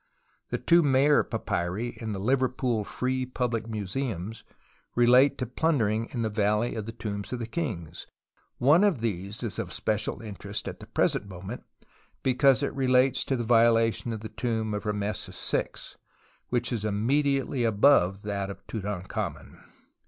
The two Mayer papyri in the Liverpool Free Public Museums relate to plundering in the Valley of the Tombs of the Kings. One of these is of special interest at the present moment because it relates to the violation of the tomb of liameses VI, which is immediately above that of Tutankhamen.